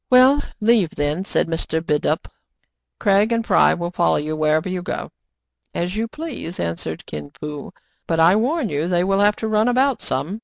'* Well, leave then/* said Mr. Bidulph. " Craig and Fry will follow you wherever you go." "As you please," answered Kin Fo; "but I warn you they will have to run about some."